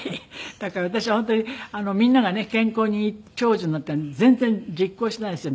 だから私は本当にみんながね健康にいい長寿なんていうのは全然実行していないですよ。